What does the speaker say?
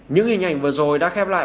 những hình ảnh vừa rồi đã khép lại